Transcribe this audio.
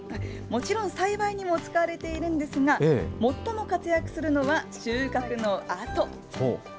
もちろん、栽培にも使われているんですが、最も活躍するのは収穫のあと。